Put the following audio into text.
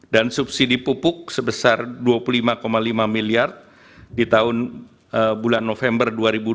dan subsidi pupuk sebesar dua puluh lima lima miliar di tahun bulan november dua ribu dua puluh tiga